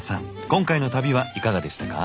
今回の旅はいかがでしたか？